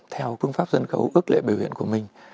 theo phương pháp sân khấu ước lệ biểu hiện của mình